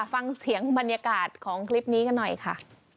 ฟังเสียงบรรยากาศของคลิปนี้กันหน่อยค่ะ